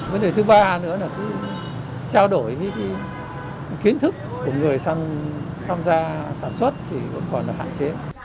vấn đề thứ ba nữa là trao đổi với kiến thức của người sang tham gia sản xuất thì vẫn còn hạn chế